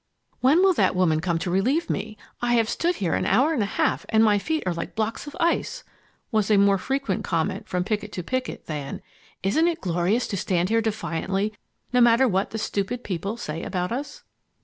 "When will that woman come to relieve me? I have stood here an hour and a half and my feet are like blocks of ice," was a more frequent comment from picket to picket than "Isn't it glorious to stand here defiantly no matter what the stupid people say about us?"